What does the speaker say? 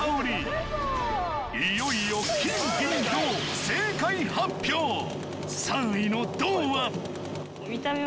いよいよ３位の銅は見た目も。